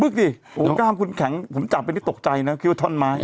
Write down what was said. บึ๊กดิโอ้โหกล้ามคุณแข็งผมจับเป็นที่ตกใจเนอะคิดว่าท่อนไม้